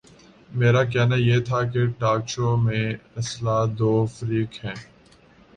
میرا کہنا یہ تھا کہ ٹاک شو میں اصلا دو فریق ہیں۔